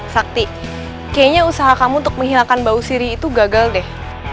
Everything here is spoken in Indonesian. sakti kayaknya usaha kamu untuk menghilangkan bau siri itu gagal deh